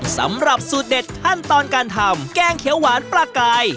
สำหรับสูตรเด็ดขั้นตอนการทำแกงเขียวหวานปลากาย